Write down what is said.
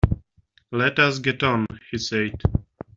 “Let us get on,” he said.